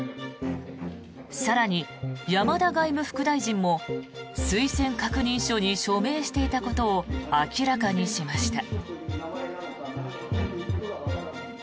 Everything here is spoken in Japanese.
更に、山田外務副大臣も推薦確認書に署名していたことを明らかにしました。